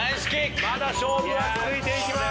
まだ勝負は続いていきます。